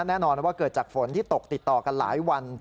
แน่นอนว่าเกิดจากฝนที่ตกติดต่อกันหลายวัน